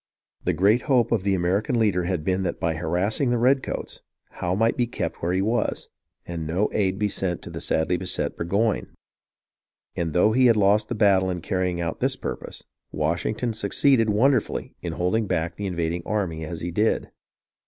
The great hope of the American leader had been that by harassing the redcoats, Howe might be kept where he was, and no aid be sent the sadly beset Burgoyne ; and though he had lost the battle in carrying out this purpose, Washington succeeded wonderfully in holding back the invading army as he did.